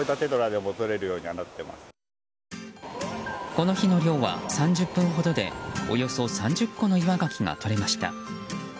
この日の漁は３０分ほどでおよそ３０個のイワガキがとれました。